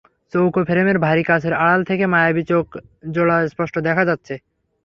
চৌকো ফ্রেমের ভারী কাচের আড়াল থেকে মায়াবী চোখ জোড়া স্পষ্ট দেখা যাচ্ছে।